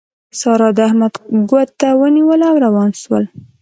سارا د احمد ګوته ونيوله او روان شول.